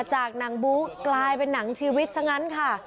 จากหนังบู๊กลายเป็นหนังชีวิตซะงั้นค่ะ